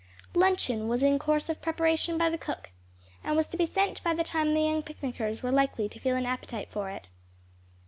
Luncheon was in course of preparation by the cook, and was to be sent by the time the young picnickers were likely to feel an appetite for it.